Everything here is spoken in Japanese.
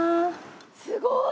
すごーい！